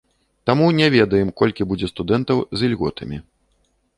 Таму не ведаем, колькі будзе студэнтаў з ільготамі.